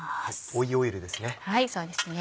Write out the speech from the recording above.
追いオイルですね。